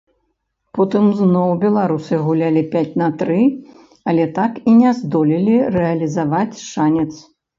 Потым зноў беларусы гулялі пяць на тры, але так і не здолелі рэалізаваць шанец.